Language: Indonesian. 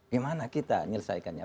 gimana kita menyelesaikannya